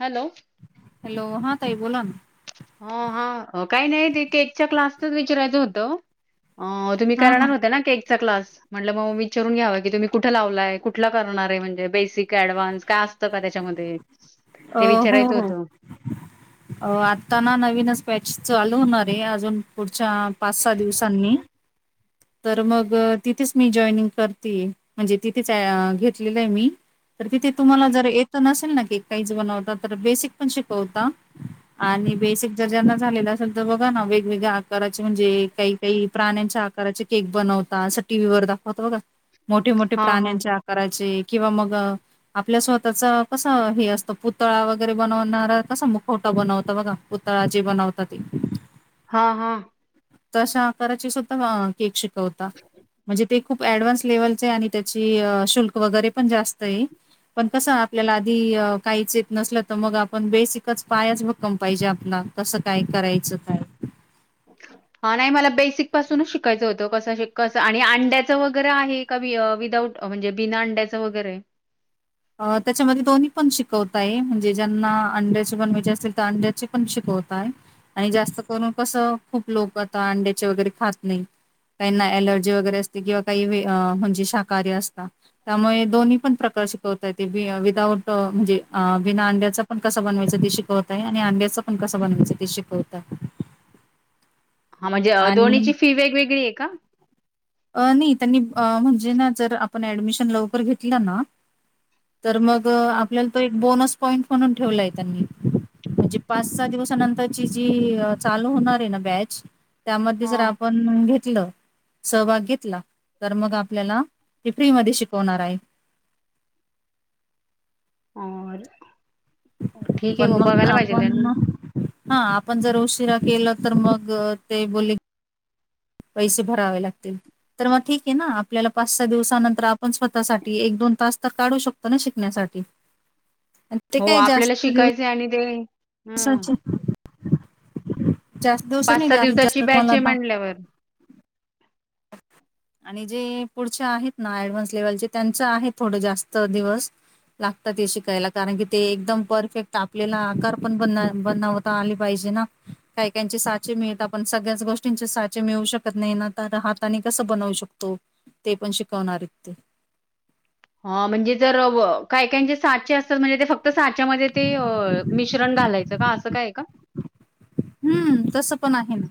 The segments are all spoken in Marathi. हॅलो हॅलो हा ताई बोला हो हा काही नाही तेथ केकच्या क्लासतच विचारायचं होतं अ तुम्ही काय हा हा राहणार होत ना केकचा क्लास म्हटलं बाबा विचारून घ्यावं की तुम्ही कुठे लावलाय कुठला करणार आहे म्हणजे बेसिक ऍडव्हान्स काय असतं का त्याच्यात त्याच्यामध्ये अ ते हो विचारायचं हो होतं आ आत्ता ना नवीन च बॅच चालू होणार आहे अजून पुढच्या पाच सहा दिवसांनी तर मग तिथेच मी जॉइनिंग करते म्हणजे तिथेच घेतले आहे मी तर तिथे तुम्हाला जर येत नसेल ना केक काहीच बनवता तर बेसिक पण शिकवता आणि बेसिक जर ज्यांना झालेलं असेल तर बघा ना वेगवेगळ्या आकाराचे म्हणजे काही काही प्राण्यांच्या आकाराचे केक बनवता असं टीव्ही वर दाखवत बघा मोठे मोठे हा हा प्राण्यांच्या आकाराचे किंवा मग आपल्या स्वतःचा कसा हे असत पुतळा वगैरे बनवणारा कसा मुखवटा बनवतो बघा पुतळा जे बनवतात ते हा हा तशा आकाराची सुद्धा केक शिकवता म्हणजे ते खूप ऍडव्हान्स लेव्हलचे आणि त्याची शुल्क वगैरे पण जास्त आहे पण कसा आहे आधी काहीच येत नसलं तर मग आपण बेसिकच पायाच भक्कम असला पाहिजे आपला तसं काय करायचं काय ह नाही मला बेसिक पासूनच शिकायचं होतं कसं श कसं आणि अंड्याचं वगैरे आहे का विदाऊट म्हणजे बिना अंड्याचं वगैरे अ त्याच्यामध्ये दोन्ही पण शिकवत आहे म्हणजे ज्यांना अंड्याचे पण म्हणजे असेल तर अंड्याचे पण शिक वातात आणि जास्त करून कस खूप लोक आता अंड्याचे वगैरे खात नाही काहीना अलर्जी वगैरे असते किंवा काही म्हणजे शाकाहारी असत त्यामुळे दोन्ही पण प्रकार श शय ते विदाउट म्हणजे बिना अंड्याचा पण कसं बनवायचं ते शिकवतय आणि अंड्याचचा पण कसं बनवायचं ते शिकवता हा म्हणजे दोन्हीची फी वेगवेगळी आहे का अ नाही त्यांनी म्हणजे ना जर आपण ऍडमिशन लवकर घेतलं ना तर मग हा आपल्याला तो एक बोनस पॉईंट म्हणून ठेवलाय त्यांनी म्हणजे पाच सहा दिवसानंतरची जी चालू होणार आहे ना बॅच त्यामध्ये जर हा आपण घेतलं सहभाग घेतला तर मग आपल्याला ते फ्री मध्ये शिकवणार आहे बरर ठीक आहे पण मग बघायला पाहिजे आपण ते हा आपण जर उशिरा केल तर मग ते बोले की पैसे भरावे लागतील तर मग ठीक आहे ना आपल्याला पाच सहा दिवसानंतर आपण स्वतःसाठी एक दोन दोन तास तर काढू शकतो ना शिकण्यासाठी ते हो काय आपल्याला जास्त शिकायचंय आणि ते ह दिवसाचे जास्त दिवस पाच सहा नाही दिवसाची बॅच आहे [inaudible] म्हणल्यावर आणि जे पुढचे आहेत ना ऍडव्हान्स लेवलचे त्यांचं आहे थोडं जास्त दिवस लागतं ते शिकायला कारण की ते एकदम परफेक्ट आपल्याला आकार पण बना बनवता आले पाहिजे. जेना, काही काहींचे साचे मिळता पण सगळ्याचं गोष्टींची साचे मिळू शकत नाही ना तर हा त्यांनी कसं बनवू शकतो? ते पण शिकवणार आहेत ते ह म्हणजे जर अ काही काहींचे साचे असतात म्हणजे ते फक् तर साच्यामध्ये ते अ मिश्रण घालायचं का असं काय का? हम्म तसं पण आहे ना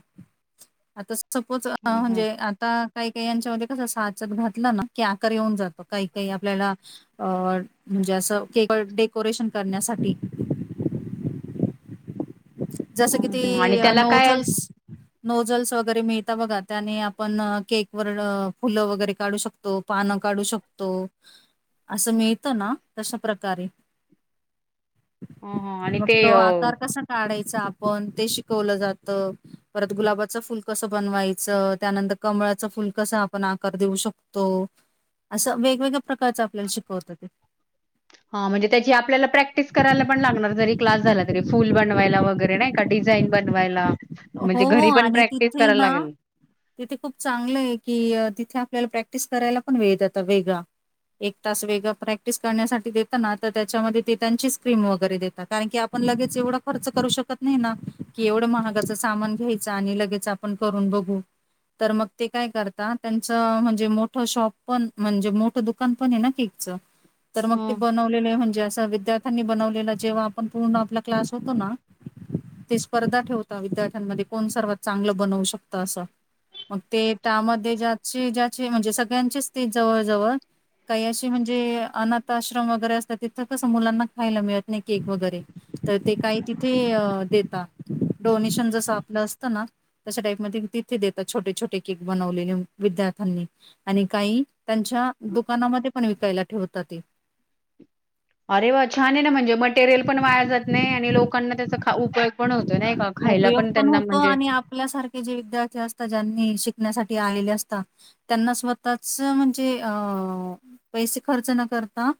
आता सपोज ह ह म्हणजे आता काही काही यांच्या मध्ये कसं साचेत घातलं ना की आकार येऊन जातो काही काही आपल्याला अ म्हणजे असं के डेकोरेशन करण्यासाठी [inaudible] जसं कि ती आणि अ त्याला काय नोझल्स नोझल्स वगैरे मिळता बघा त्याने आपण केक वर फुलं वगैरे काढू शकतो पान काढू शकतो असं मिळत ना? तशा प्रकारे [inaudible] ह ह आणि ते अ काढायचं आपण ते शिकवलं जातं परत गुलाबाचं फुल कसं बनवायचं त्यानं कमळाचं फुल कसं आपण आकार देऊ शकतो? असं वेगवेगळ्या प्रकारचं आपल्याला शिकवतं ते. हा म्हणजे त्याची आपल्याला प्रॅक्टिस करायला पण लागणार जरी क्लास झाला तरी फुल बनवायला वगैरे नाही का डी झाईन बनवायला. म्हणजे हो हो घरी पण आणि प्रॅक्टिस तिथे करायला ना लागेल तिथे खूप चांगलं आहे की तिथे आपल्याला प्रॅक्टिस करायला पण वेळ देता वेगळा. एक तास वेगळं प्रॅक्टिस करण्यासाठी देत ना तर त्याच्यामध्ये ते त्यांची स्क्रीम वगैरे देतात कारण की आ पण लगेच एवढा खर्च करू शकत नाही ना की एवढे महाग चं सामान घ्यायचं आणि लगेच आपण करून बघू तर मग ते काय करता त्यांचं म्हणजे मोठं शॉप पण म्हणजे मोठं दुकान पण आहे न की च तर मग ते ह बनवलेलंय म्हणजे आ विद्यार्थ्यांनी बनवलेला जेव्हा आपण पूर्ण आपला क्लास होतो ना, ते स्पर्धा ठेव विद्यार्थ्यांमध्ये कोण सर्वात चांगलं बनवू शकतं असं मग ते त्यामध्ये ज्याचे ज्याचे म्हणजे सगळ्यांचेच ते जवळ जवळ काही अशी म्हणजे अनाथ आश्रम वगैरे असतात तिथं कसं मुलांना खायला मिळत नाही केक वगैरे तर ते काही तिथे अ देतात. डोनेशन जसं आपलं असतं ना तशा टाईप मध्ये तिथे देतात छोटे छोटे केक बनवलेले विद्यार्थ्यां आणि काही त्यांच्या दुकानामध्ये पण विकायला ठेवता ते. अरे वा! छान आहे ना म्हणजे मटेरियल पण वाया जात नाही आणि लोकांना त्याचं खाउ उपयोग पण होतो म्हणजे आणि आपल्यासारखे जे विद्यार्थी असतात ज्यांनी शिक ण्यासाठी आलेले असता, त्यांना स्वतःचं अ म्हणजे पैसै खर्च कर करता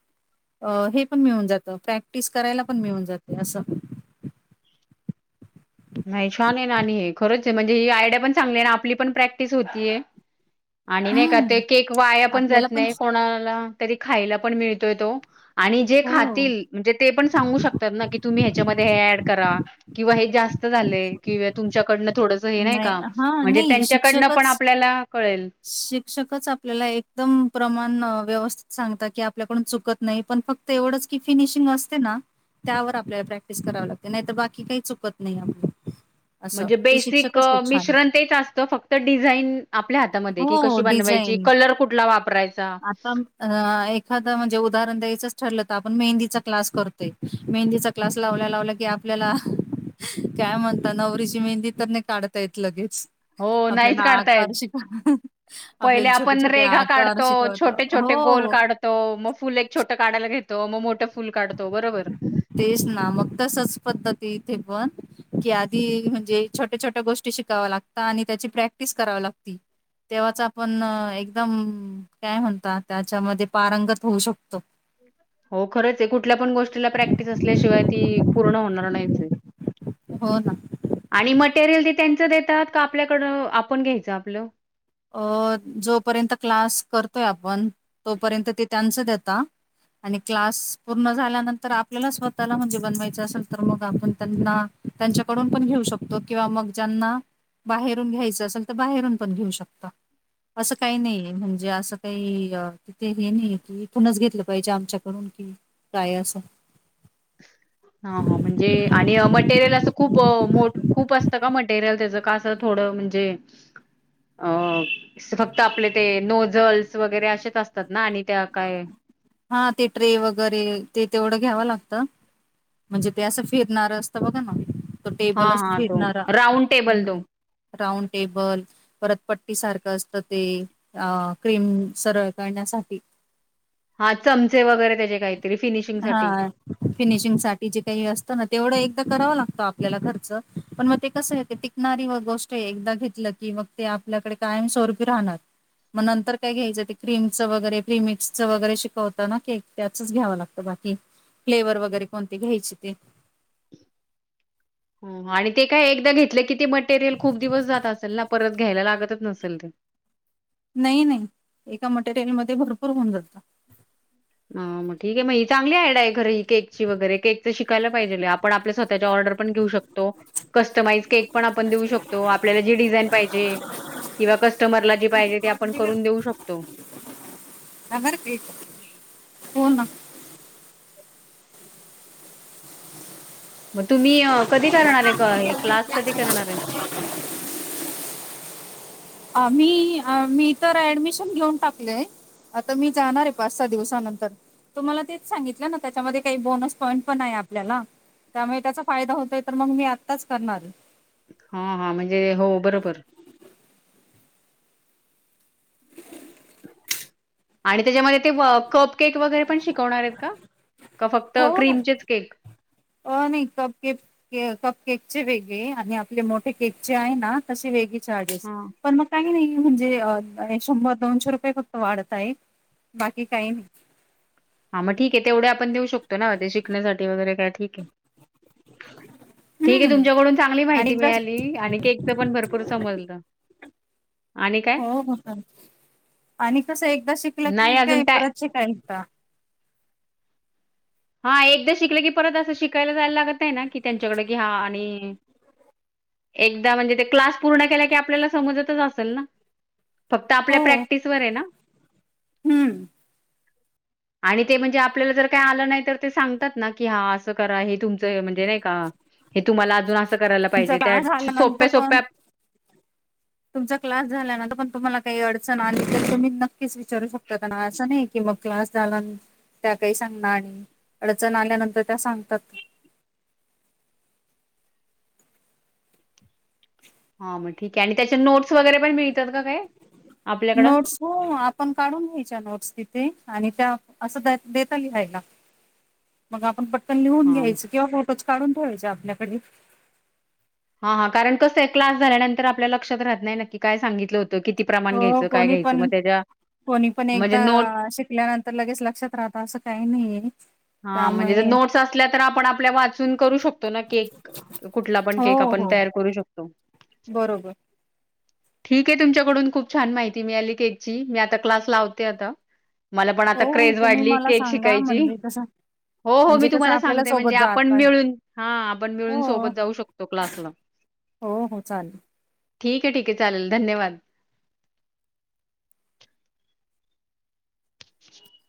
अ हे पण मिळून जातं प्रॅक्टिस करायला पण मिळून जाते असं नाही छान आहे ना आणि हे खरंच आहे म्हणजे ही आयडिया पण चांगली आहे ना आपली पण प्रॅक्टिस होतीय. [inaudible] आणि नाही का ते हम्म. केक वाया पण जात नाही कोणाला तरी खायला पण मिळतोय तो. आणि जे हो खातील म्हणजे ते पण सांगू शकतात ना की तुम्ही ह्याच्यामध्ये हे हे ऍड करा किंवा हे जास्त झालंय किंवा तुमच्याकडनं थोडंस हे नाही का हां म्हणजे नाही त्यांच्याकडनं पण शिक्षकच आपल्याला कळेल शिक्षकच आपल्याला एकदम प्रमाण अ व्यवस्थित सांगत की, आपल्याकडून चुकत नाही पण फक्त एवढंच की, फिनिशिंग असते ना. त्यावर आपल्याला प्रॅक्टिस कराव लागते नाहीतर बाकी काही चुकत नाही आपल्या. म्हणजे बेसिक मिश्रण तेच असत फक्त डिझाईन आपल्या ह हो डिझाईन वापरायचा आता म अ एखादा म्हणजे उ उदाहरण द्यायचंच ठरलं तर आपण मेहंदीचा क्लास करतोय मेहंदीचा क्लास लावल्या लावला की, आपल्याला. काय म्हणत नवरीची मेहंदी तर नाही काढता येत लगेच हो नाहीच आपल्याला काढता येत. आकार शिक ह पहिले आपण रेगा काढतो छोटे, छोटे गोल हो, काढतो मग फुल एक छोटे काढायला. घेतो मग मोठं. फुल काढतो बरोबर. तेच ना मग तसच पद्धती इथे पण. की आधी म्हणजे छोट्या, छोट्या गोष्टी शिकाव्या लागत आणि त्याची प्रॅक्टिस कराव लागती. तेव्हाच आपण एकदम काय म्हणता त्याच्यामध्ये पारंगत होऊ शकतो. हो खरंच आहे, कुठल्या पण गोष्टीला प्रॅक्टिस असल्याशिवाय ती पूर्ण होणार नाहीच आहे. हो ना. आणि मटेरियल ते त्यांच देतात का आपल्याकड आपण घ्यायचं आपलं. अ जोपर्यंत क्लास करतोय आपण तोपर्यंत ते त्यांच देता. आणि क्लास पूर्ण झाल्यानंतर आपल्याला स्वतःला म्हणजे बनवायचं असेल तर मग आपण त्यांना. त्यांच्याकडून पण घेऊ शकतो किंवा मग ज्यांना बाहेरून घ्यायचं असेल तर बाहेरून पण घेऊ शकतो. कत्ता [unintelligible] असं काही नाही म्हणजे असं काही तिथे हे नाही कि, इथूनच घेतलं पाहिजे आमच्याकडून. काय असो. हा म्हणजे आणि मटेरियल अस. खूप मो खूप असतं का मटेरियल त्याचं कासं थोडं म्हणजे. अ फक्त आपले ते नोझल्स वगैरे असेच असतात ना आणि. त्या काय हा ते ट्रे वगैरे ते तेवढं. घ्याव लागत म्हणजे ते असं फिरणार असत बघा ना. तो हा टेबलच हा तो फिरणारा राऊंड टेबल तो हम्. राऊंड टेबल परत पट्टी सारखं असतं ते अ क्रीम सरळ करण्या साठी. हा चमचे वगैरे. त्याचे काहीतरी फिनिशिंग हा साठी फिनिशिंग साठी जे काही असतं ना तेवढं एक. करावा लागतो आपल्याला खर्च पण मग ते कसं टिकणारी गोष्ट एकदा घेतलं का मग ते आप आपल्याकडे कायम स्वरपी राहणार. मग नंतर काय घ्यायचं ते क्रीमचं वगैरे प्रिमिक्सचं वगैरे शिकवत ना केक. त्यातच घ्यावं लागतं बाकी फ्लेवर वगैरे कोणते घ्यायचे ते. आणि ते काय एकदा घेतलं कि, ते मटेरियल खूप दिवस जात असेल ना परत घ्यायला लागत. त नसेल. नाही नाही एका मटेरियलमध्ये भरपूर होऊन जातात. हम ठीकाय मग ही चांगली आयडा आहे, खर ही केची वगैरे केक चं शिकायलापाहिजेलय आपण आपल्या स्वतः ऑर्डर. पण घेवू शकतो कस्टमाइज केक पण आपण देऊ शकतो आपल्याला जे डिझाईन पाहिजे. किंवा कस्टमरला जी पायजेते आपण करून देऊ शकतो. आभार हो ना. मतुम्ही कधी करणार आहे, क हे क्लास कधी करणार आहे. अ मी अ मी तर ऍडमिशन घेऊन टाकलेय. आता मी जाणार आहे, पाच सहा दिवसानंतर. तुम्हाला तेच सांगितलं ना त्याच्यामध्ये काही बोनस पॉईंट पण आहे आपल्याला. त्यामुळे त्याचा फायदा होतोय तर मग मी आत्ताच करणार. हा हा म्हणजे हो बरोबर. आणि त्याच्यामध्ये ते व कपकक वगैरे पण शिकवणार आहेत का. का फक्त हो हो क्रीमचेच केक? अ नाही कप केक के कपकेकचे वेगळे आणि आपले मोठे केकचे आहे ना तसे वेगळे चार्जेस हा. पण मग काही नाही. म्हणजे अ शंभर, दोनशे रुपये फक्त वाढत आहे बाकी काही नाही. हा मग ठीक आहे. तेवढे आपण देऊ शकतो ना ते शिकण्यासाठी वगैरे काय ठीक आहे. ठीक आहे हम्म तुमच्याकडून चांगली आणि माहिती एकदा मिळाली आणि केकच पण भरपूर समजलं. आणि काय? हो हो. आणि कसं एकदा शिकलं नाही की अजून काय टाय परत शिकायला येता. हा एकदा शिकलं की परत असं शिकायला जायला लागत नाही ना की त्यांच्याकडे घ्या आणि एकदा म्हणजे ते क्लास पूर्ण केला की आपल्याला समजतच असल ना? फक्त आपल्या हो प्रॅक्टिसवर आहे ना? हम्म आणि ते म्हणजे आपल्याला जर काय आलं नाही तर ते सांगतात ना की ह अस करा हे तुमच म्हणजे नाही का? तुम्हाला अजून असं करायला तुमचा पाहिजे त्या क्लास झाल्यानंतर सोप्या पण सोप्या तुमचा क्लास झाला ना तपण तुम्हाला काही अडचण आली, तर तुम्ही नक्कीच विचारू शकता त्यांना असं नाही की. मग क्लास झाला. त्या काही सांगणार आणि अडचण आल्यानंतर त्या सांगतात. [inaudible] हां मग ठीक आहे आणि त्याच्या नोट्स वगैरे पण मिळतात का काय आपल्याकडं? नोट्स हो आपण काढून घ्यायच्या नोट्स तिथे. आणि त्या असं द देता लिहायला मग आपण प आपण लिहून हा घ्यायच किंवा फोटोच काढून ठेवायचे आपल्याकडे. हा हा कारण कस आहे क्लास झाल्यानंतर, आपल्या लक्षात राहत नाही नक्की काय सांगितलं हो हो हो कोणी पण. कोणी पण म्हणजे एकदा नोट शिकल्यानंतर लगेच लक्षात राहत असं काही नाहीये. हा म्हणजे त्यामुळे नोट्स असल्या तर आपण आपल्या वाचून करू शकतो ना केक कुठला पण हो केक आप पण हो तयार करू शकतो. बरोबर. ठीक आहे. तुमच्याकडून खूप छान माहिती मिळाली केकची. मी आता क्लास लावते आता. मला पण हो आता हो क्रेज तुम्ही वाढलीय मला केक सांगा शिकायची. म्हणजे कसं हो हो. मी म्हणजे कसं तुम्हाला आपल्याला सांगतेय म्हणजे सोबत आपण जाता मिळून हा आपण मिळून हो सोबत जाऊ शकतो क्लासला. हो हो चालेल. ठीक आहे ठीक आहे चालेल. धन्यवाद. [unintelligible]